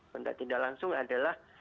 kontak tidak langsung adalah